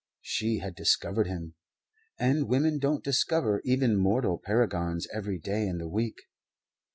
She had discovered him; and women don't discover even mortal paragons every day in the week.